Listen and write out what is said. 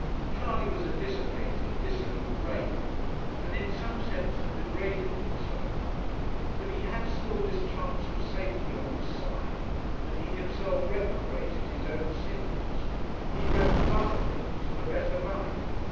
Charley was a dissipated, dissolute rake, and in some sense had degraded himself; but he had still this chance of safety on his side, that he himself reprobated his own sins. He dreamt of other things and a better life.